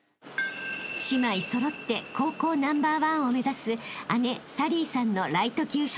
［姉妹揃って高校ナンバーワンを目指す姉紗鈴依さんのライト級初戦］